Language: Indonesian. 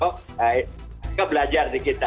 oh belajar di kita